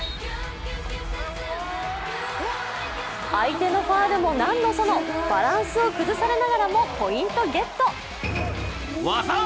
相手のファウルも何のそのバランスを崩されながらもポイントゲット。